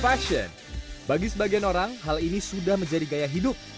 fashion bagi sebagian orang hal ini sudah menjadi gaya hidup